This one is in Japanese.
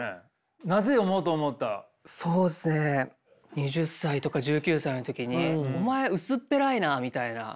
２０歳とか１９歳の時に「お前薄っぺらいな」みたいな。